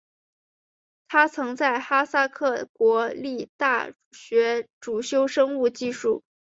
他曾在哈萨克国立大学主修生物技术。